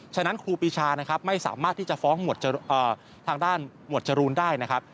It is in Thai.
ฉะนั้นครูปีชานะครับไม่สามารถที่จะฟ้องหมวดทางด้านหมวดจรูนได้นะครับ